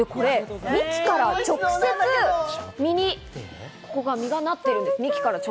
幹から直接ここに実がなってるんです。